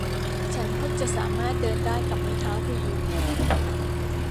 ฉันเพิ่งจะสามารถเดินได้กับไม้เท้าพยุง